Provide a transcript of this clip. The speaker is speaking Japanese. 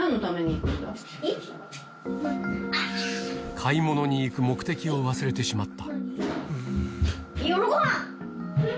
買い物に行く目的を忘れてしまった。